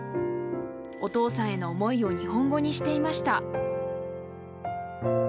お父さんへの思いを日本語にしていました。